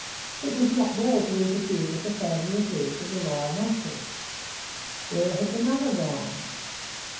It was not well to interfere with the family affairs of the rhinoceros. Where had the mother gone?